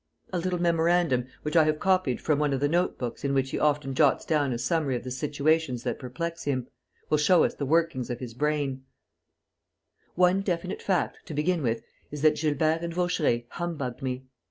A little memorandum, which I have copied from one of the note books in which he often jots down a summary of the situations that perplex him, will show us the workings of his brain: "One definite fact, to begin with, is that Gilbert and Vaucheray humbugged me.